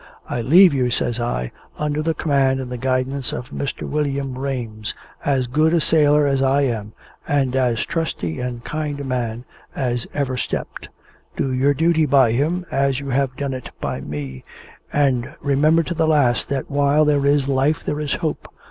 "I leave you," says I, "under the command and the guidance of Mr. William Rames, as good a sailor as I am, and as trusty and kind a man as ever stepped. Do your duty by him, as you have done it by me; and remember to the last, that while there is life there is hope.